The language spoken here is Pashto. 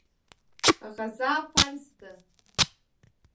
غزا فرض ده.